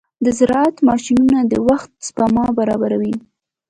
د زراعت ماشينونه د وخت سپما برابروي.